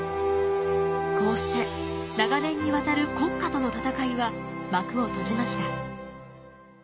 こうして長年にわたる国家との戦いは幕を閉じました。